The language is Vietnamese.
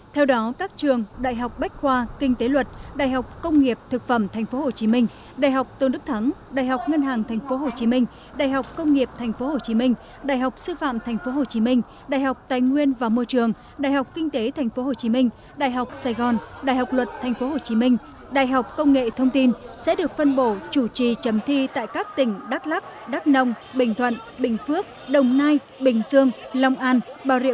theo đó các trường đại học bách khoa kinh tế luật đại học công nghiệp thực phẩm tp hcm đại học tôn đức thắng đại học ngân hàng tp hcm đại học công nghiệp tp hcm đại học sư phạm tp hcm đại học tài nguyên và môi trường đại học kinh tế tp hcm đại học sài gòn đại học luật tp hcm đại học công nghệ thông tin sẽ được phân bổ chủ trì chấm thi tại các tỉnh đắk lắk đắk nông bình thuận bình phước đồng nai bình dương lòng an bà rịa